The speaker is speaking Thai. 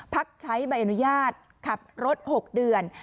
พักใช้ใบอนุญาตขับรถ๖เดือน